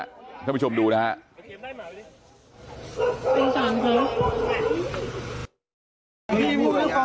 มึงต้องดอมรับผิดป๊าท้องทำมาก็ทำไมทำไหมรับอะไรมัน